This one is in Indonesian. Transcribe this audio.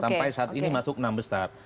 sampai saat ini masuk enam besar